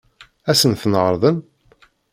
Ad sen-ten-ɛeṛḍen?